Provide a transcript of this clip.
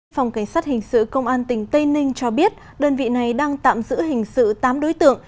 phòng cảnh sát hình sự công an tỉnh tây ninh cho biết đơn vị này đang tạm giữ hình sự tám đối tượng